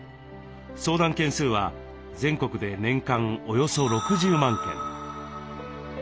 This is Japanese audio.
相談件数は全国で年間およそ６０万件。